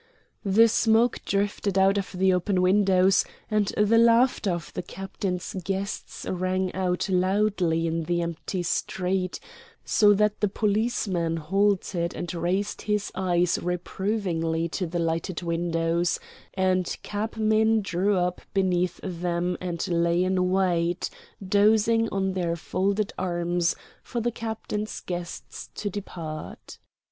The smoke drifted out of the open windows, and the laughter of the Captain's guests rang out loudly in the empty street, so that the policeman halted and raised his eyes reprovingly to the lighted windows, and cabmen drew up beneath them and lay in wait, dozing on their folded arms, for the Captain's guests to depart.